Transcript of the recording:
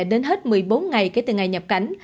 đến hết một mươi bốn ngày kể từ ngày nhập cảnh